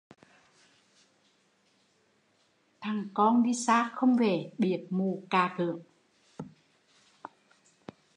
Thằng con đi xa không về, biệt mù cà cưởng